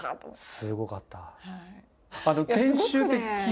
すごかった。